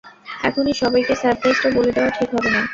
এখনি সবাইকে সারপ্রাইজটা বলে দেওয়া ঠিক হবে না।